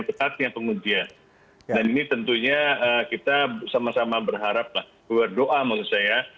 ketatnya pengujian dan ini tentunya kita bersama sama berharap lah buat doa menurut saya